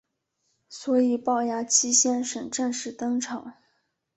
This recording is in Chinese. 所以暴牙七先生正式登场。